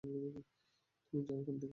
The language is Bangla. তুমি যাও এখান থেকে।